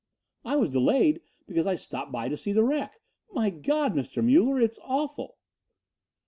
"I was delayed because I stopped by to see the wreck. My God, Mr. Muller, it is awful."